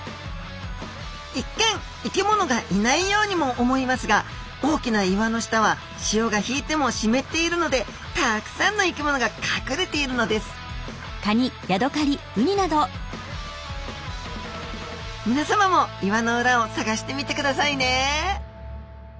一見生き物がいないようにも思いますが大きな岩の下は潮が引いても湿っているのでたくさんの生き物が隠れているのですみなさまも岩の裏を探してみてくださいね